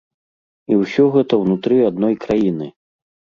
І ўсё гэта ўнутры адной краіны!